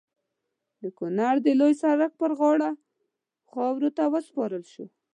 د کونړ د لوی سړک پر غاړه خاورو ته وسپارل شو.